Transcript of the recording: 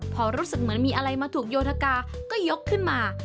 พอรู้สึกเหมือนมีอะไรมาถูกโยธกาก็ยกขึ้นมา